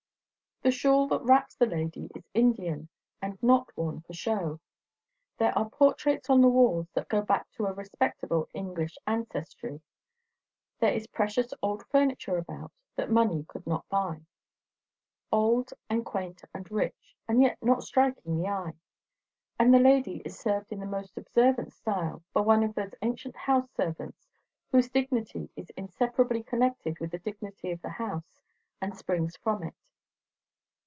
The shawl that wraps the lady is Indian, and not worn for show; there are portraits on the walls that go back to a respectable English ancestry; there is precious old furniture about, that money could not buy; old and quain't and rich, and yet not striking the eye; and the lady is served in the most observant style by one of those ancient house servants whose dignity is inseparably connected with the dignity of the house and springs from it.